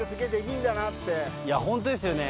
いやホントですよね。